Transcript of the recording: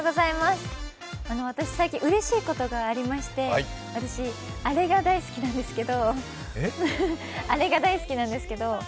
私、最近、うれしいことがありまして私、アレが大好きなんですけど。